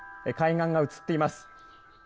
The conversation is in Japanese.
海岸が映っています。